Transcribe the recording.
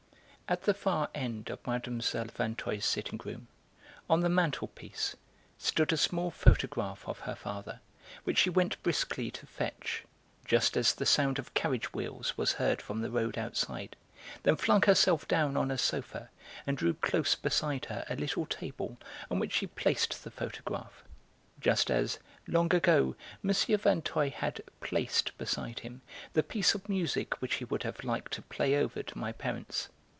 At the far end of Mlle. Vinteuil's sitting room, on the mantelpiece, stood a small photograph of her father which she went briskly to fetch, just as the sound of carriage wheels was heard from the road outside, then flung herself down on a sofa and drew close beside her a little table on which she placed the photograph, just as, long ago, M. Vinteuil had 'placed' beside him the piece of music which he would have liked to play over to my parents.